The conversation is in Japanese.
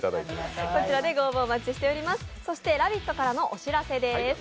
「ラヴィット！」からのお知らせです。